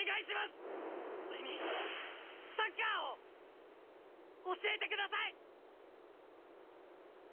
俺にサッカーを教えてください！